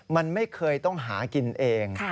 มันไม่เคยต้องหากินเอง